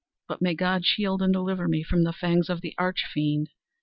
But may God shield and deliver me from the fangs of the Arch Fiend!